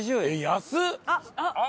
安っ！